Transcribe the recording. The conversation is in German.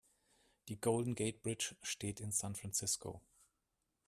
Die Golden Gate Bridge steht in San Francisco.